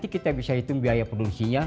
yuk klik tombol store di luarnya